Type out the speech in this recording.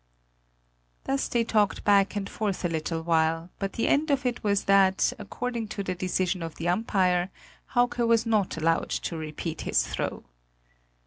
Thus they talked back and forth a little while, but the end of it was that, according to the decision of the umpire, Hauke was not allowed to repeat his throw.